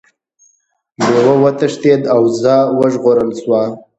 لیوه وتښتید او وزه وژغورل شوه.